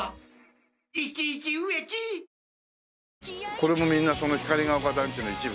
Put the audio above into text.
これもみんなその光が丘団地の一部？